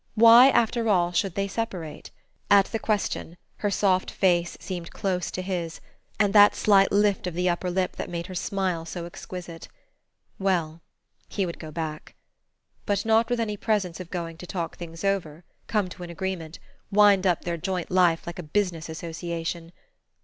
Why, after all, should they separate? At the question, her soft face seemed close to his, and that slight lift of the upper lip that made her smile so exquisite. Well he would go back. But not with any presence of going to talk things over, come to an agreement, wind up their joint life like a business association.